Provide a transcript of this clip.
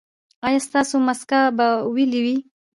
ایا ستاسو مسکه به ویلې وي؟